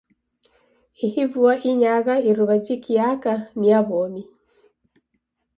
Ihi vua inyagha iruwa jikiaka ni ya w'omi.